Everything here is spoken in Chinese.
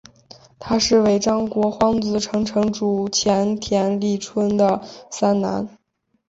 他是尾张国荒子城城主前田利春的三男。